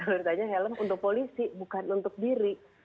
menurut saya helm untuk polisi bukan untuk diri